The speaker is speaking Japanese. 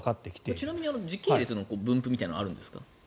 ちなみに時系列の分布みたいなのはあるんですか？